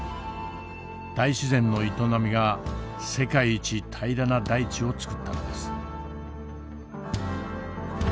大自然の営みが世界一平らな大地をつくったのです。